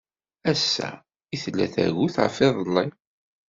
Assa i tella tagut ɣef yiḍelli.